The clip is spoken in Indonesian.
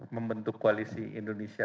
membentuk koalisi indonesia